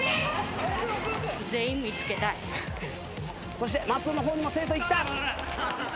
そして松尾の方にも生徒行った。